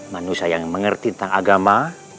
manusia yang mengerti tentang agama